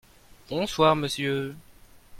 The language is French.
Bonsoir monsieur.